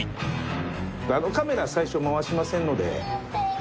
カメラ最初回しませんので。